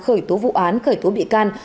khởi tố vụ án khởi tố bị can